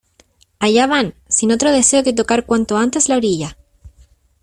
allá van, sin otro deseo que tocar cuanto antes la orilla.